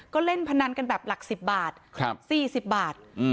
ก็เล่นพนันกันแบบหลักสิบบาทครับสี่สิบบาทอืม